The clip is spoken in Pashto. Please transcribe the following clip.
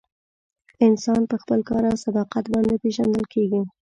انسان په خپل کار او صداقت باندې پیژندل کیږي.